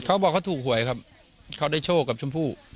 เขาบอกเขาถูกหวยครับเขาได้โชคกับชมพู่